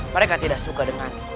mereka tidak suka dengan